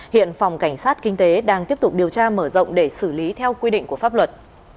hiện phòng cảnh sát kinh tế đang tiếp tục điều tra mở rộng để xử lý theo quy định của pháp luật